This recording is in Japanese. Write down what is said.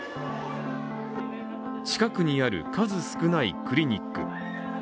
近くにある数少ないクリニック。